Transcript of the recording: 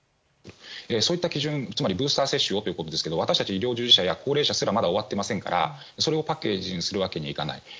そういった基準つまりブースター接種をということですが私たち医療従事者や高齢者すらまだ終わっていませんからそれをパッケージにするわけにはいかない。